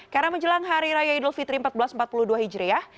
karena menjelang hari raya idul fitri seribu empat ratus empat puluh dua hijriah